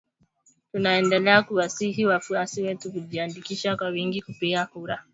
Tunaendelea kuwasihi wafuasi wetu kujiandikisha kwa wingi kupiga kura